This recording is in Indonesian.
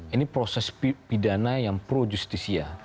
ini proses pidana yang pro justisia